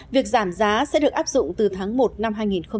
việc giảm giá sẽ được áp dụng từ tháng một năm hai nghìn một mươi tám